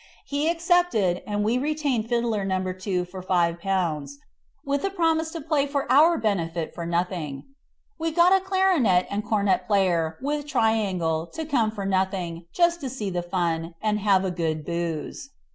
He accepted, and we retained Fiddler No. 2 for Ł5, with a promise to play for our benefit for nothing. We got a clarionet and cornet player, with triangle, to come for nothing, just to see the fun, and have a good booze.